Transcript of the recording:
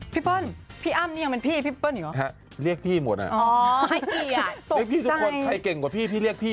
พี่เปิ้ลพี่อ้ำเนี่ยยังไม่เป็นพี่